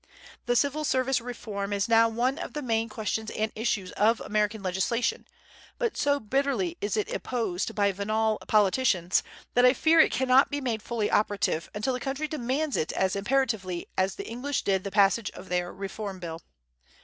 The civil service reform is now one of the main questions and issues of American legislation; but so bitterly is it opposed by venal politicians that I fear it cannot be made fully operative until the country demands it as imperatively as the English did the passage of their Reform Bill.